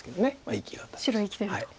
白生きてると。